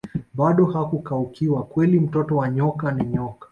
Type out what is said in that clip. bado hakukaukiwa kweli mtoto wa nyoka ni nyoka